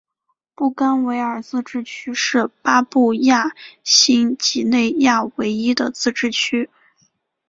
布干维尔自治区是巴布亚新几内亚唯一的自治区。